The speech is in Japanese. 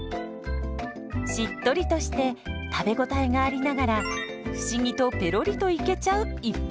しっとりとして食べ応えがありながら不思議とペロリといけちゃう逸品です。